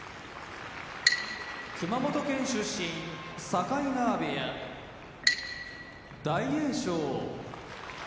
熊本県出身境川部屋大栄翔